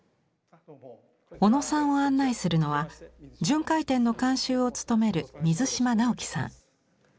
小野さんを案内するのは巡回展の監修を務める水島尚喜さん。